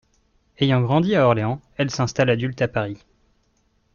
Ayant grandi à Orléans, elle s'installe adulte à Paris.